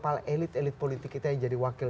para elit elit politik kita yang jadi wakil